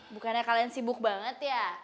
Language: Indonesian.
bukannya kalian sibuk banget ya